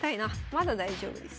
まだ大丈夫ですね。